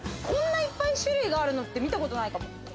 こんなにいっぱい種類があるの見たことないかも。